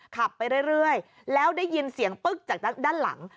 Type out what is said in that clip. ขับไปเรื่อยแล้วได้ยินเสียงปึ๊กจากด้านหลัง